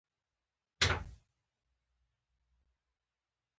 خوب د وجود سکون ښيي